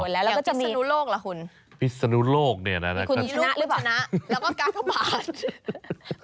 แบบวิสุนุโลกเหรอคุณคุณชนะหรือเปล่าอ๋อแล้วก็